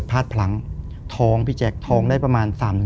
คือก่อนอื่นพี่แจ็คผมได้ตั้งชื่อเอาไว้ชื่อเอาไว้ชื่อ